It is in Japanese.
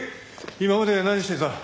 今まで何してた？